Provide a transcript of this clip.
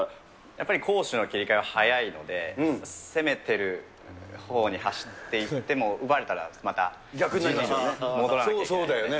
やっぱり攻守の切り替えが早いので、攻めてるほうに走っていっても、奪われたらまた陣地に戻らないといけない。